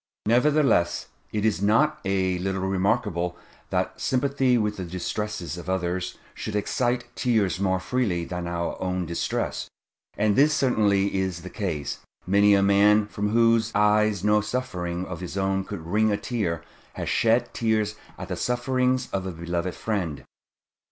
Nevertheless it is not a little remarkable that sympathy with the distresses of others should excite tears more freely than our own distress; and this certainly is the case. Many a man, from whose eyes no suffering of his own could wring a tear, has shed tears at the sufferings of a beloved friend.